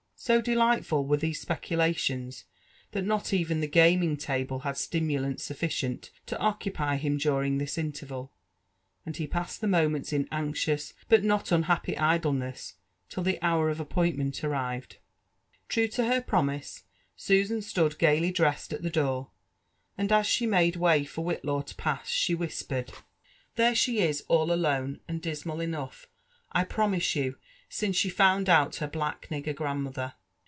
So delightful were these speculations, that not even the gaming table had stimulant sufficient to occupy him during this interval, and he passed the moments in anxious but not unhappy idleness till the hour of appointment arrived. True to her promise, Susan stood gaily dressed at the door; and as she made way for Whitlaw to pass, she whispered, '' There she is all m LIFE AND ADVENTURES OP alone, and dismal enough, I promise you, since she found out her black nigger grandmother.